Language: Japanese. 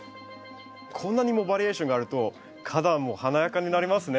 こんなにもバリエーションがあると花壇も華やかになりますね。